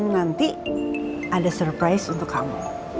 nanti ada surprise untuk kamu